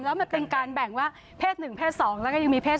แล้วมันเป็นการแบ่งว่าเพศ๑เพศ๒แล้วก็ยังมีเพศ